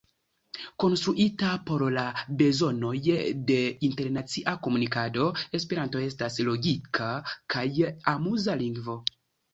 Konstruita por la bezonoj de internacia komunikado, esperanto estas logika kaj amuza lingvo.